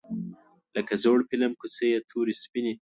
لکه زوړ فیلم کوڅې یې تورې سپینې